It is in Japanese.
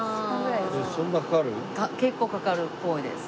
結構かかるっぽいです。